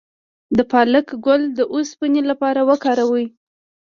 د پالک ګل د اوسپنې لپاره وکاروئ